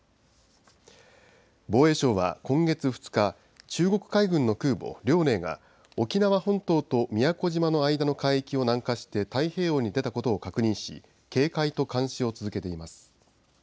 防衛省は今月２日、中国海軍の空母、遼寧が沖縄本島と宮古島の間の海域を南下して太平洋に出たことを確認し警戒と監視を続けています。